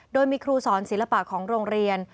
โดยมีครูสอนศิลปะของโรงเรียน